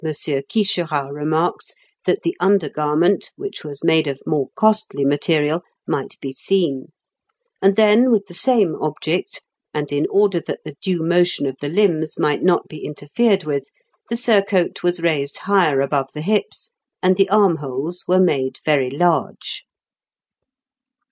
Quicherat remarks, that the under garment, which was made of more costly material, might be seen; and then, with the same object, and in order that the due motion of the limbs might not be interfered with, the surcoat was raised higher above the hips, and the arm holes were made very large.